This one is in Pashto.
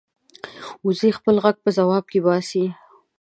وزې خپل غږ په ځواب کې باسي